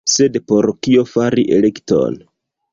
Sed por kio fari elekton?